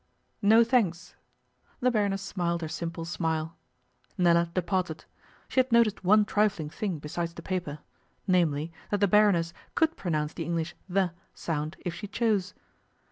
'No, thanks.' The Baroness smiled her simple smile. Nella departed. She had noticed one trifling thing besides the paper namely, that the Baroness could pronounce the English 'th' sound if she chose.